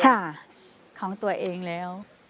ค่ะของตัวเองแล้ว